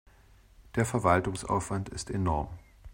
Der Verwaltungsaufwand ist enorm.